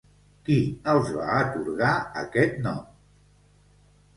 Qui els va atorgar aquest nom?